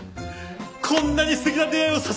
こんなに素敵な出会いをさせてくれて。